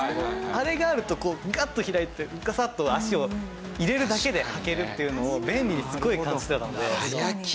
あれがあるとガッと開いてガサッと足を入れるだけで履けるっていうのを便利にすごい感じたので。